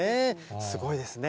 すごいですね。